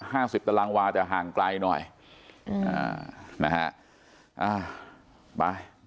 ห้าสิบตะลังวาจะห่างไกลหน่อยอืมอ่านะฮะอ่าบาย